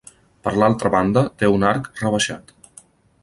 Per l'altra banda té un arc rebaixat.